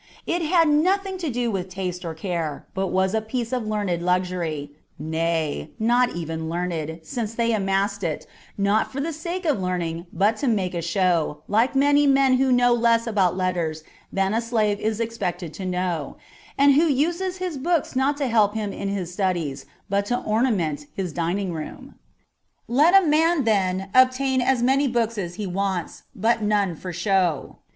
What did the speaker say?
^ It had nothing to do with taste or care, but was a piece of learned luxury, nay, not even learned, since they amassed it, not for the sake of learning, but to make a show, like many men who know less about letters than a slave is expected to know, and who uses his books not to help him in his studies but to ornament his dining room. Let a man, then, obtain as many books as he wants, but none for show.